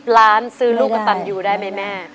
ล้านซื้อลูกกระตันยูได้ไหมแม่